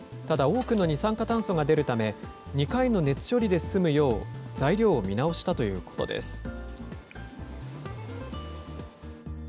ただ、多くの二酸化炭素が出るため、２回の熱処理で済むよう、材料を見直したということです。